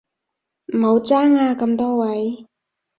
唔好爭啊咁多位